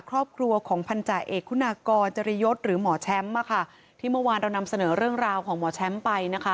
ครอบครัวของพันธาเอกคุณากรจริยศหรือหมอแชมป์ที่เมื่อวานเรานำเสนอเรื่องราวของหมอแชมป์ไปนะคะ